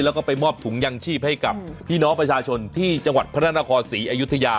แล้วก็ไปมอบถุงยังชีพให้กับพี่น้องประชาชนที่จังหวัดพระนครศรีอยุธยา